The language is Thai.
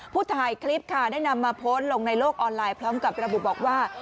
ถ่ายคลิปค่ะได้นำมาโพสต์ลงในโลกออนไลน์พร้อมกับระบุบอกว่า